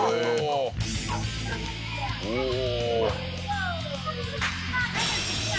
おお。